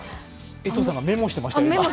江藤さんがメモしていましたよ。